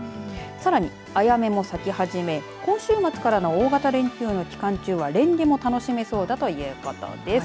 さらにアヤメも咲き始め今週末からの大型連休の期間中はレンゲも楽しめそうだということです。